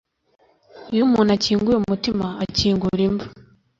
Iyo umuntu akinguye umutima akingura imva